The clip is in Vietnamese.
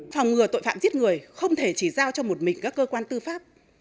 phòng ngừa tội phạm giết người không thể chỉ giao cho một mình các cơ quan tư pháp